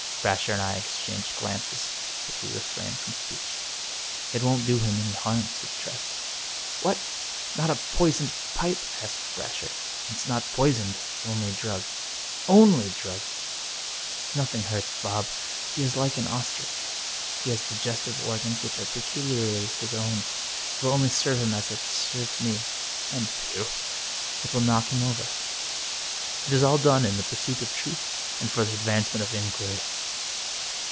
Brasher and I exchanged glances, but we refrained from speech. " It won't do him any harm," said Tress. " What — not a poisoned pipe ?" asked Brasher. " It's not poisoned — it's only drugged." ''Only drugged!" " Nothing hurts Bob. He is Hke an ostrich. He has digestive organs which are peculiarly his own. It will only serve him as it served me — and Pugh — ^it will knock him over. It is all done in the Pursuit of Truth and for the Advancement of Inquiry."